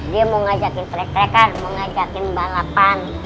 dia mau ngajakin trek trekkan mau ngajakin balapan